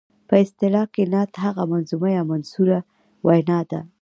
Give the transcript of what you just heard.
په اصطلاح کې نعت هغه منظومه یا منثوره وینا ده.